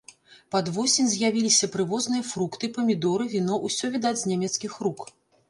Пад восень з'явіліся прывозныя фрукты, памідоры, віно, усё, відаць, з нямецкіх рук.